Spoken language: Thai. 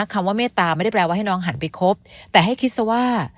คำว่าเมตตาไม่ได้แปลว่าให้น้องหันไปคบแต่ให้คิดซะว่า